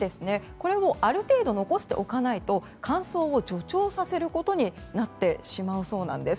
これもある程度残しておかないと乾燥を助長させることになってしまうそうです。